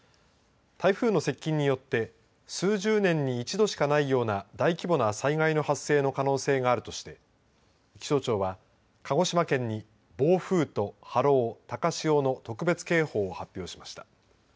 台風の接近によって数十年に一度しかないような大規模な災害の発生の可能性があるとして気象庁は、鹿児島県に暴風と波浪高潮の特別警報を発表しました。